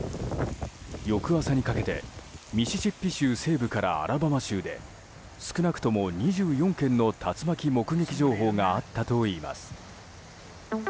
翌朝にかけてミシシッピ州西部からアラバマ州で少なくとも２４件の竜巻目撃情報があったといいます。